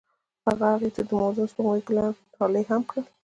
هغه هغې ته د موزون سپوږمۍ ګلان ډالۍ هم کړل.